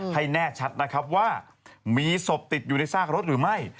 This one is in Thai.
ให้แน่ชัดนะครับว่ามีศพติดอยู่ในซากรถหรือไม่